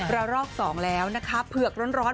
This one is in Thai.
เรารอกสองแล้วนะคะเผือกร้อน